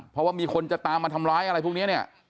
เพราะว่ามีคนจะตามมาทำร้ายอะไรพวกนี้เนี่ย